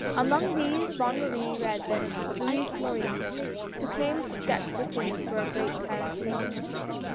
Among these Bonne Marie read that of Louis Morin, who came to sketch the scene for a great Paris paper.